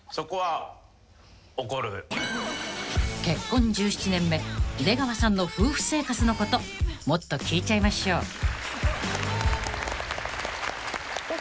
［結婚１７年目出川さんの夫婦生活のこともっと聞いちゃいましょう］